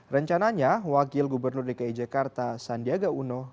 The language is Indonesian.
rencananya wakil gubernur dki jakarta sandiaga uno